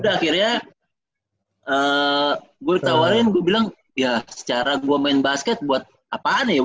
udah akhirnya gue ditawarin gue bilang ya secara gue main basket buat apaan ya